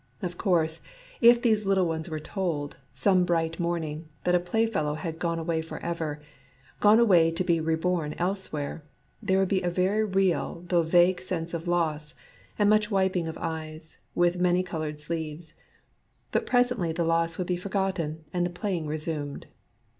Of course, if these little ones were told, some bright morn ing, that a playfellow had gone away forever, — gone away to be reborn elsewhere, — there would be a very real though vague sense of loss, and much wiping of eyes with many col ored sleeves ; but presently the loss would be forgotten and the playing resumed.